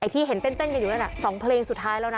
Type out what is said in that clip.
ที่เห็นเต้นกันอยู่นั่น๒เพลงสุดท้ายแล้วนะ